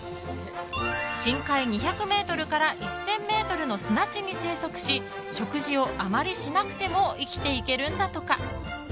深海２００ｍから１０００ｍの砂地に生息し食事はあまりしなくても生きていけるんだとか。